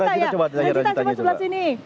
rajita coba sebelah sini